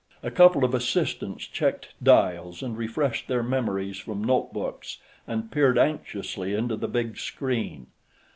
A couple of assistants checked dials and refreshed their memories from notebooks and peered anxiously into the big screen.